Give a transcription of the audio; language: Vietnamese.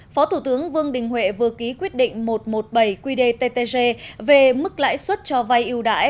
phó thủ tướng vương đình huệ vừa ký quyết định một trăm một mươi bảy qdttg về mức lãi suất cho vay yêu đãi